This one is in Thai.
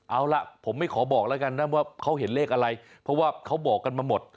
เอาล่ะผมไม่ขอบอกแล้วกันนะว่าเขาเห็นเลขอะไรเพราะว่าเขาบอกกันมาหมด